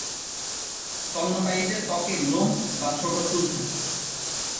স্তন্যপায়ীদের ত্বকে লোম বা ছোট চুল থাকে।